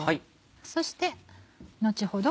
そして後ほど